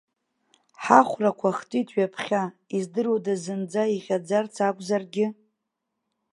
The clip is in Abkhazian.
Ҳахәрақәа хтит ҩаԥхьа, издыруада зынӡа иӷьаӡарц акәзаргьы!